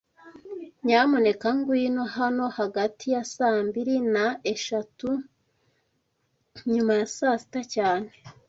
Nyamuneka ngwino hano hagati ya saa mbiri na eshatu nyuma ya saa sita cyane